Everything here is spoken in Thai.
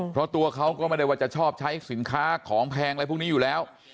เพราะตัวเขาก็ไม่ได้ว่าจะชอบใช้สินค้าของแพงอะไรพวกนี้อยู่แล้ว